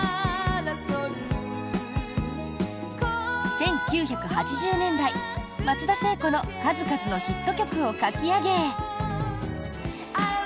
１９８０年代、松田聖子の数々のヒット曲を書き上げ。